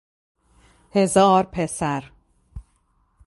هزار پسر